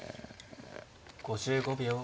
５５秒。